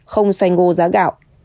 không xanh ngô giá gạo